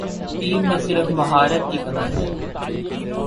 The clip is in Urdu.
ٹیم میں صرف مہارت کی کمی ہے ۔